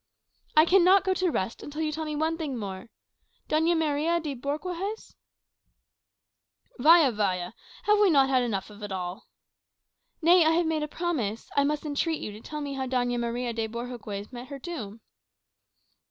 "I cannot go to rest until you tell me one thing more. Doña Maria de Bohorques?" "Vaya, vaya! have we not had enough of it all?" "Nay; I have made a promise. I must entreat you to tell me how Doña Maria de Bohorques met her doom."